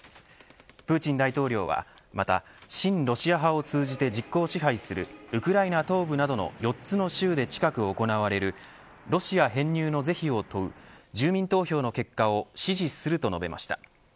プーチン大統領は、また親ロシア派を通じて実効支配するウクライナ東部などの４つの州で近く行われるロシア編入の是非を問う住民投票の結果を支持すると述べました。